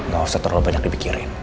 gak usah terlalu banyak dipikirin